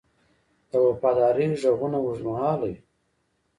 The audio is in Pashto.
د وفادارۍ ږغونه اوږدمهاله وي.